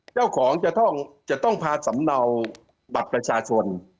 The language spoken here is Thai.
เจ้าของจะต้องพาสำเนาบัตรประชาชน